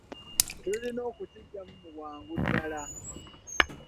Tulina kukigyamu mu bwangu ddala.